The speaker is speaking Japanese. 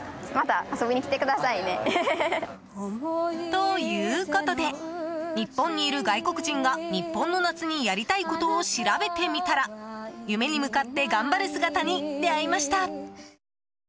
ということで日本にいる外国人が日本の夏にやりたいことを調べてみたら夢に向かって頑張る姿に出会いました。